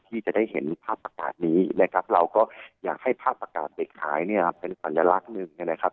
ที่จะได้เห็นภาพอากาศนี้นะครับเราก็อยากให้ภาพประกาศเด็กขายเนี่ยเป็นสัญลักษณ์หนึ่งนะครับ